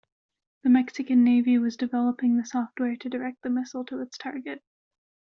The Mexican Navy was developing the software to direct the missile to its target.